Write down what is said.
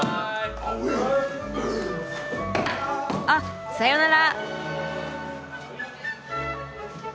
あっさよなら。